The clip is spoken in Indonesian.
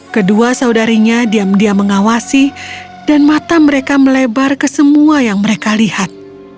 kedua saudarinya diam diam mengawasi dan mata mereka melebar ke semua yang mereka lihat